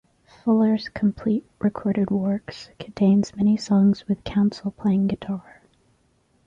Fuller's "Complete Recorded Works" contains many songs with Council playing guitar.